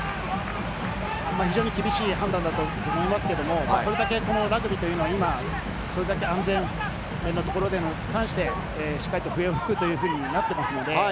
非常に厳しい判断だと思いますけれど、それだけラグビーというのは今、安全面のところに関して、しっかりと笛を吹くというふうになっています。